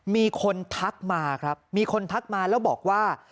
มีคนทักมาครับมีคนทักมาแล้วบอกว่า